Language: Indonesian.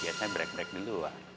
biasanya break break dulu